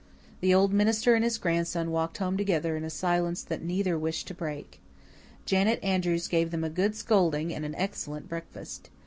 The old minister and his grandson walked home together in a silence that neither wished to break. Janet Andrews gave them a good scolding and an excellent breakfast.